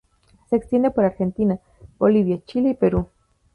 Se extiende por Argentina, Bolivia, Chile y Perú.